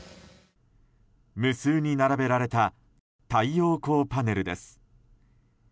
無数に並べられた太陽光パネルです。